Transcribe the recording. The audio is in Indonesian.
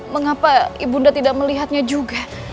mengapa ibu nda tidak melihatnya juga